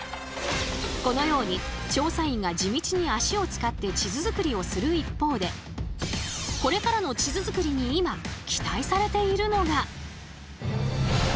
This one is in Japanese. このように調査員が地道に足を使って地図作りをする一方でこれからの地図作りに今期待されているのが。